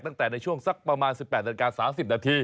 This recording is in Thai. ตั้งแต่ในช่วงสักประมาณ๑๘นาฬิกา๓๐นาที